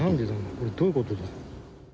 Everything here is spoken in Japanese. これどういう事だ？